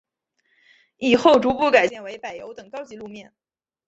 以后逐步改建为柏油等高级路面。